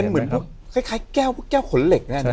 เหมือนทุกคล้ายแก้วขนเหล็กเนี่ย